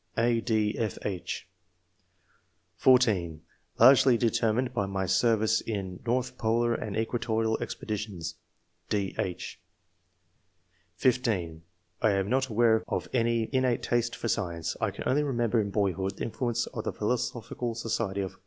(a, d,fyh) (14) "Largely determined by my service in north polar and equatorial expeditions.'' (dy h) (15) I am not aware of any innate taste for science. I can only remember in boyhood the influence of the Philosophical Society of